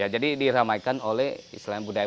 jadi diramaikan oleh budaya budaya islam